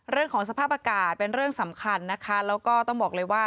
เรื่องของสภาพอากาศเป็นเรื่องสำคัญนะคะแล้วก็ต้องบอกเลยว่า